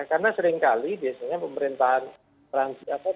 karena seringkali biasanya pemerintahan transisional